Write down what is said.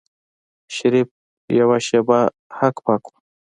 شريف يوه شېبه هک پک و.